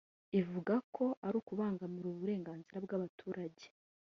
ivuga ko ari ukubangamira uburenganzira bw’abaturage